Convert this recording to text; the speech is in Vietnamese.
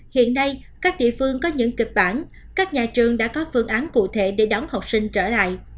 hiện nay các địa phương có những kịch bản các nhà trường đã có phương án cụ thể để đón học sinh trở lại